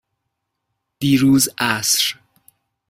دیروز عصر.